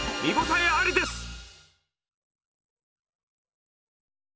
見応えありです！